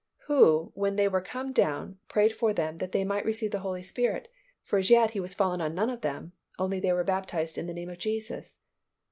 "Who when they were come down prayed for them that they might receive the Holy Spirit, for as yet He was fallen on none of them, only they were baptized in the name of Jesus."